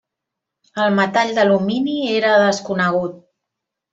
El metall d'alumini era desconegut.